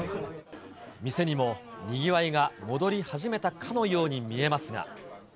店にもにぎわいが戻り始めたかのように見えますが。